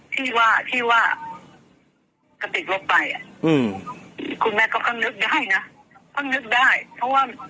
ภาพที่ก็ถ่ายรูปแบบตอนลงเรืออะไรอย่างเงี้ยนะคุณแม่